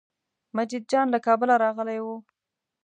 مجید جان له کابله راغلی و.